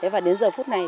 và đến giờ phút này